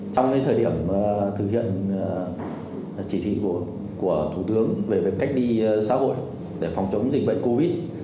trong thời điểm thực hiện chỉ thị của thủ tướng về việc cách ly xã hội để phòng chống dịch bệnh covid